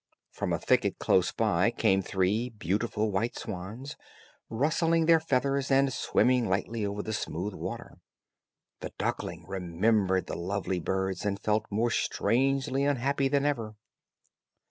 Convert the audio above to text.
From a thicket close by came three beautiful white swans, rustling their feathers, and swimming lightly over the smooth water. The duckling remembered the lovely birds, and felt more strangely unhappy than ever.